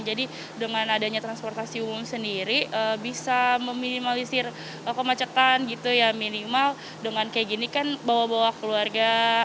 jadi dengan adanya transportasi umum sendiri bisa meminimalisir kemacetan gitu ya minimal dengan kayak gini kan bawa bawa keluarga